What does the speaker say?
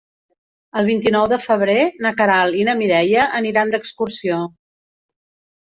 El vint-i-nou de febrer na Queralt i na Mireia aniran d'excursió.